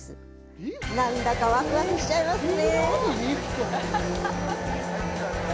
なんだかわくわくしちゃいますね！